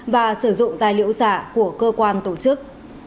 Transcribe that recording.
và sử dụng tài liệu giả của cơ quan tổ chức